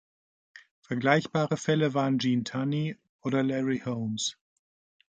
Vergleichbare Fälle waren Gene Tunney oder Larry Holmes.